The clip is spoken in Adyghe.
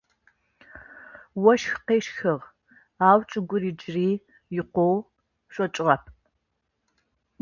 Ощх къещхыгъ, ау чӏыгур джыри икъоу шъокӏыгъэп.